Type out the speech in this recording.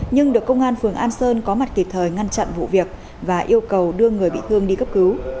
nhưng được công an phường an sơn có mặt kịp thời ngăn chặn vụ việc và yêu cầu đưa người bị thương đi cấp cứu